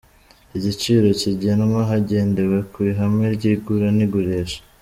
Igiciro kigenwa hagendewe ku ihame ry’igura n’igurisha.